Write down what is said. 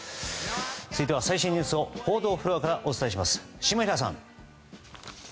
続いては最新ニュースを報道フロアからお伝えします下平さん。